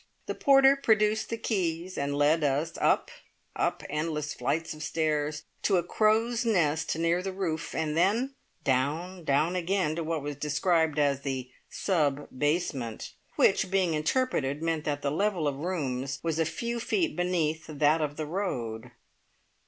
The porter produced the keys and led us up, up, endless flights of stairs to a crow's nest near the roof, and then down, down again to what was described as the "sub basement," which, being interpreted, meant that the level of the rooms was a few feet beneath that of the road.